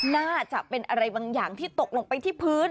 น่าจะเป็นอะไรบางอย่างที่ตกลงไปที่พื้น